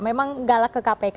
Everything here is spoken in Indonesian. memang galak ke kpk